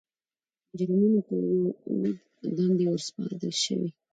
مجرمینو ته یو لړ دندې ور وسپارل شوې.